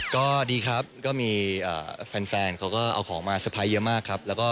ก็ดีครับก็มีแฟนเขาก็เอาของมาเตอร์ไพรส์เยอะมากครับ